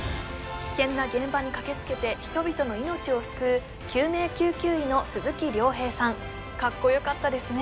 危険な現場に駆けつけて人々の命を救う救命救急医の鈴木亮平さんカッコよかったですね